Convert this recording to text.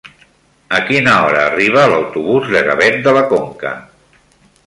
A quina hora arriba l'autobús de Gavet de la Conca?